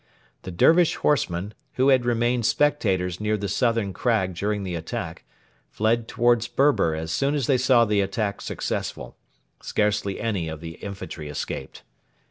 The Dervish horsemen, who had remained spectators near the southern crag during the attack, fled towards Berber as soon as they saw the attack successful. Scarcely any of the infantry escaped.